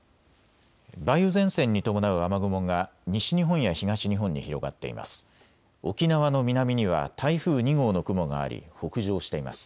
梅雨前線に伴う雨雲が西日本や東日本に広がっています。